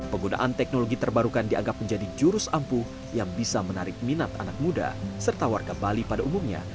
penggunaan teknologi terbarukan dianggap menjadi jurus ampuh yang bisa menarik minat anak muda serta warga bali pada umumnya